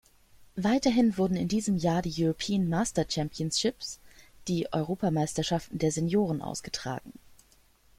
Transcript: Weiterhin wurden in diesem Jahr die European Master Championships, die Europameisterschaften der Senioren ausgetragen.